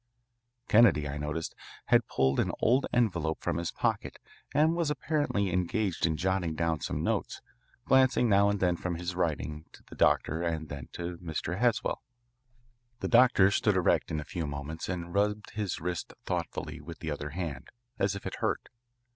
Kennedy, I noticed, had pulled an old envelope from his pocket and was apparently engaged in jotting down some notes, glancing now and then from his writing to the doctor and then to Mr. Haswell. The doctor stood erect in a few moments and rubbed his wrist thoughtfully with the other hand, as if it hurt.